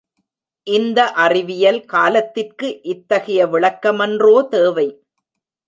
இந்த அறிவியல் காலத்திற்கு இத்தகைய விளக்கமன்றோ தேவை.